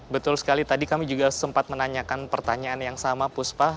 betul sekali tadi kami juga sempat menanyakan pertanyaan yang sama puspa